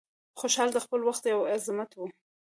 خوشحال د خپل وخت یو عظمت و.